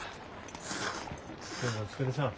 今日もお疲れさん。